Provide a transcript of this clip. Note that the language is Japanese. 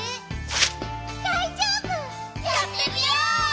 やってみよう！